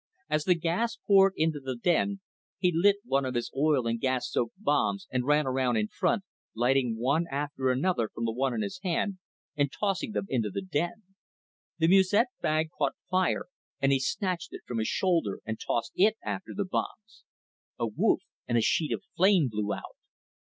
As the gas poured into the den he lit one of his oil and gas soaked bombs and ran around in front, lighting one after another from the one in his hand and tossing them into the den. The musette bag caught fire and he snatched it from his shoulder and tossed it after the bombs. A whoof and a sheet of flame blew out.